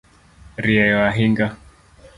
Rieyo ahinga